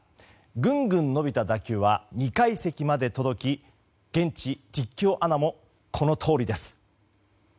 ぐんぐん伸びた打球は２階席まで届き現地実況アナもこのとおりです。